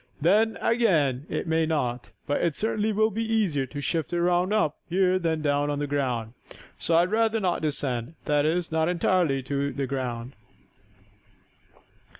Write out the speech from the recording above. Then, again, it may not, but it certainly will be easier to shift around up here than down on the ground. So I'd rather not descend that is, not entirely to the ground."